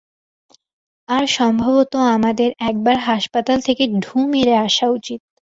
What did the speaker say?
আর সম্ভবত আমাদের একবার হাসপাতাল থেকে ঢু মেরে আসা উচিত।